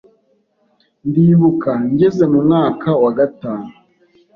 Ndibuka njyeze mu mwaka wa gatanu